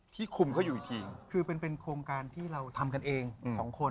แจ๊คจิลวันนี้เขาสองคนไม่ได้มามูเรื่องกุมาทองอย่างเดียวแต่ว่าจะมาเล่าเรื่องประสบการณ์นะครับ